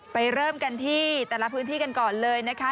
เริ่มกันที่แต่ละพื้นที่กันก่อนเลยนะคะ